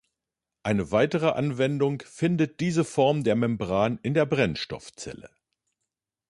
Eine weitere Anwendung findet diese Form der Membran in der Brennstoffzelle.